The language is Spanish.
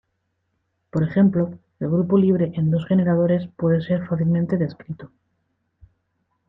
Por ejemplo, el grupo libre en dos generadores puede ser fácilmente descrito.